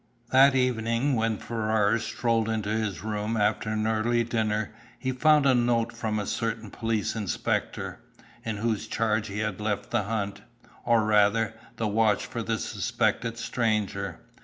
That evening when Ferrars strolled into his room after an early dinner, he found a note from a certain police inspector, in whose charge he had left the hunt, or rather, the watch for the suspected stranger.